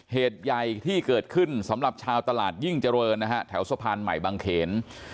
เหตุใหญ่ที่เกิดขึ้นสำหรับชาวตลาดยิ่งเจริญนะฮะแถวสะพานใหม่บางเขน